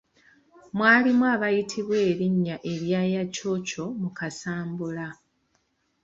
Mwalimu abayitibwa erinnya erya yakyokyo mu kasambula.